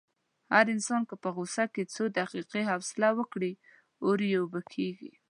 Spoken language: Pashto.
هر انسان که په غوسه کې څو دقیقې حوصله وکړي، اور یې اوبه کېږي.